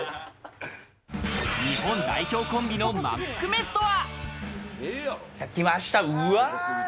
日本代表コンビの満腹飯とは？いきました。